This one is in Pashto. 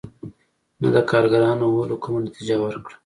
نه د کارګرانو وهلو کومه نتیجه ورکړه.